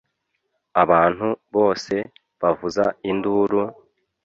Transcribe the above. Abantu bose bavuza induru,